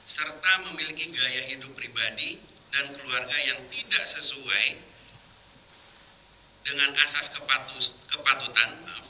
serta memiliki gaya hidup pribadi dan keluarga yang tidak sesuai dengan asas kepatutan